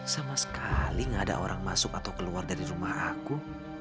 sama sekali gak ada orang masuk atau keluar dari rumah aku